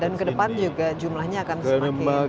dan kedepan juga jumlahnya akan semakin meningkat